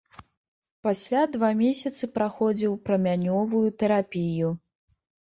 Пасля два месяцы праходзіў прамянёвую тэрапію.